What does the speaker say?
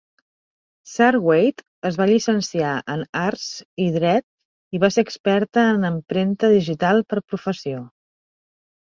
Sarwate es va llicenciar en Arts i dret i va ser experta en empremta digital per professió.